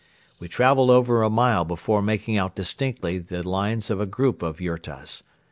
We traveled over a mile before making out distinctly the lines of a group of yurtas.